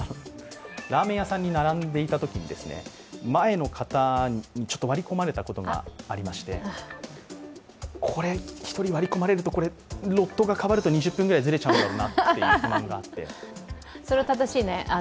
ラーメン屋さんに並んでいたときに前の方に割り込まれたことがありまして、これ、一人割り込まれると、２０分くらいずれちゃうだろうなという不満があって。